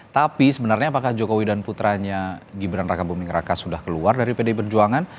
tapi sebenarnya apakah jokowi dan putranya gibran raka buming raka sudah keluar dari pdi perjuangan